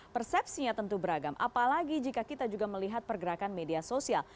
persepsinya tentu beragam apalagi jika kita juga melihat pergerakan media sosial